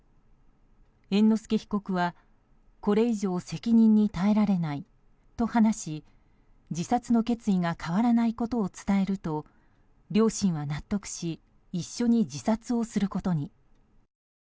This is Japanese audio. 猿之助被告は、これ以上責任に耐えられないと話し自殺の決意が変わらないことを伝えると両親は納得し一緒に自殺をすることに。